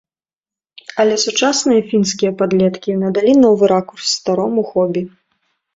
Але сучасныя фінскія падлеткі надалі новы ракурс старому хобі.